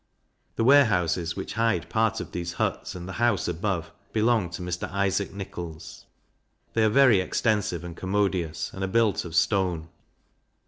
The Warehouses which hide part of these huts, and the House above, belong to Mr. Isaac Nichols; they are very extensive and commodious, and are built of stone.